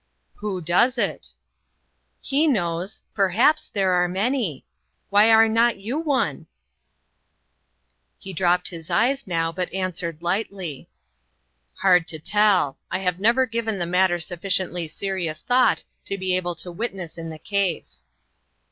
"Who does it?" " He knows. Perhaps there are many. Why are not you one ?" I/O INTERRUPTED. He dropped his eyes now, but answered lightly :" Hard to tell. I have never given the matter sufficiently serious thought to be able to witness in the case."